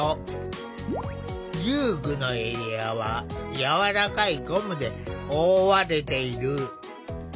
遊具のエリアはやわらかいゴムで覆われている。